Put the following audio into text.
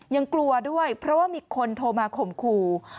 ยังกลัวด้วยเพราะว่ามีคนโทรมาข่มขู่